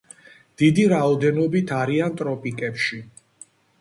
დიდი რაოდენობით არიან ტროპიკებში.